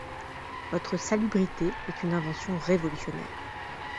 Votre salubrité est une invention révolutionnaire.